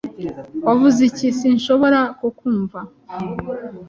Wavuze iki? Sinshobora kukumva.